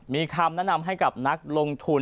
มีคำแนะนำให้กับนักลงทุน